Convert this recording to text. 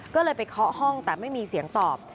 ก็เลยไปเคาะห้องแต่ไม่มีเสียงตอบ